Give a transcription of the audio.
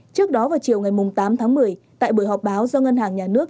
trước đó vào chiều ngày tám tháng một mươi tại buổi họp báo do ngân hàng nhà nước